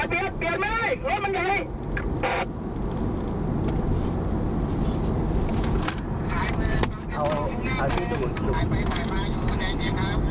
ลิฟต์อีกชั่วมานาจนละยายน่าจะเริ่มไป